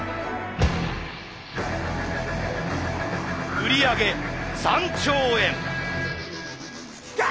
売り上げ３兆円。